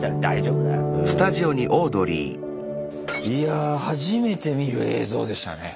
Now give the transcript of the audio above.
いや初めて見る映像でしたね。